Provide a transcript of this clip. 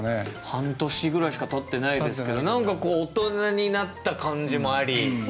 半年ぐらいしかたってないですけど何かこう大人になった感じもあり。